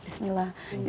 bismillah gitu sih